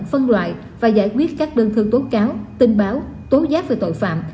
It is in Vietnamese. phân loại và giải quyết các đơn thư tố cáo tin báo tố giác về tội phạm